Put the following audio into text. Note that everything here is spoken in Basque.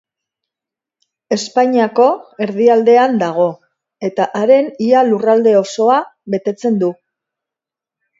Espainiako erdialdean dago, eta haren ia lurralde osoa betetzen du.